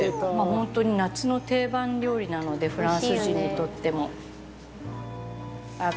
本当に夏の定番料理なのでフランス人にとっても。